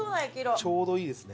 ちょうどいいですね。